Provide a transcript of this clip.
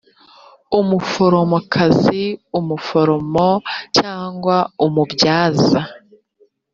umuforomokazi umuforomo cyangwa umubyaza